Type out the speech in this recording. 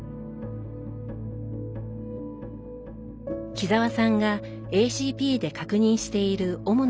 木澤さんがＡＣＰで確認している主な項目です。